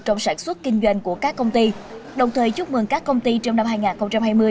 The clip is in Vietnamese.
trong sản xuất kinh doanh của các công ty đồng thời chúc mừng các công ty trong năm hai nghìn hai mươi